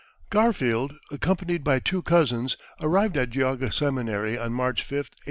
Garfield, accompanied by two cousins, arrived at Geauga Seminary on March 5, 1849.